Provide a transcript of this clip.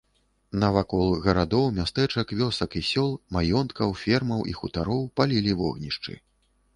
Навакол гарадоў, мястэчак, вёсак і сёл, маёнткаў, фермаў і хутароў палілі вогнішчы.